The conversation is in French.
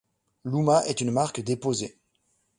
Louma est une marque déposée.